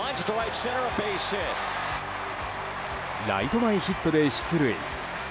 ライト前ヒットで出塁。